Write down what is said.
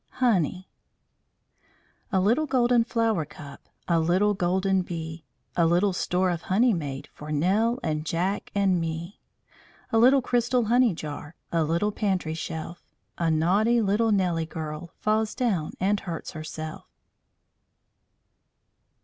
HONEY A little golden flower cup, A little golden bee. A little store of honey made For Nell, and Jack, and me. A little crystal honey jar, A little pantry shelf. A naughty little Nelly girl Falls down, and hurts herself.